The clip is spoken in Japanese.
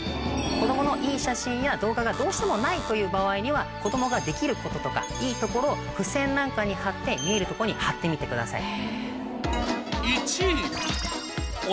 子供のいい写真や動画がどうしてもないという場合には子供ができることとかいいところを付箋なんかに張って見えるとこに張ってみてください。